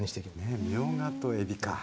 ねえみょうがとえびかあ。